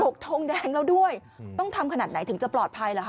ทงแดงแล้วด้วยต้องทำขนาดไหนถึงจะปลอดภัยเหรอคะ